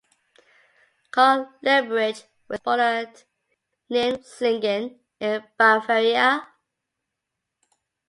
Karl Leiberich was born at Nennslingen, in Bavaria.